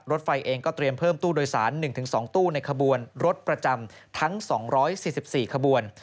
รถไฟเองก็เตรียมเพิ่มตู้โดยสาร๑๒ตู้ในขบวนรถประจำทั้ง๒๔๔ขบวน